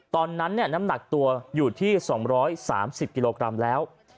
ตอนนั้นเนี่ยน้ำหนักตัวอยู่ที่๒๓๐กีโลกรัมแล้ว